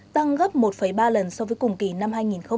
tăng gấp một ba lần so với cùng kỳ năm hai nghìn hai mươi hai